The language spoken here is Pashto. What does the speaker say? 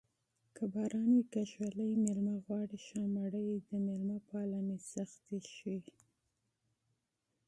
که باران وي که ږلۍ مېلمه غواړي ښه مړۍ د مېلمه پالنې سختي ښيي